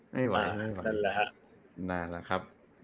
ไม่ไหวไม่ไหวนั่นแหละครับ